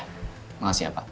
terima kasih pak